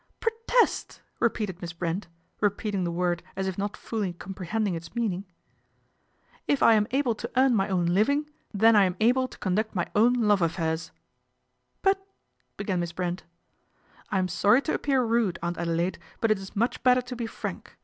" Protest !" repeated Miss Brent, repeating the word as if not fully comprehending its meaning. " If I am able to earn my own living, then I am able to conduct my own love affairs." " But " began Miss Brent. " I am sorry to appear rude, Aunt Adelaide, but it is much better to be frank.